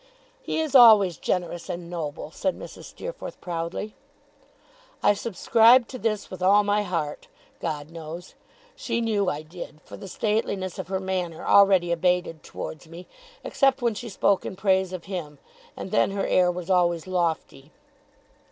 'He is always generous and noble,' said Mrs. Steerforth, proudly. I subscribed to this with all my heart, God knows. She knew I did; for the stateliness of her manner already abated towards me, except when she spoke in praise of him, and then her air was always lofty.